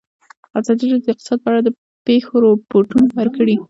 ازادي راډیو د اقتصاد په اړه د پېښو رپوټونه ورکړي.